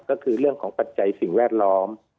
ก็คือเรื่องของปัจจัยสิ่งแวดล้อม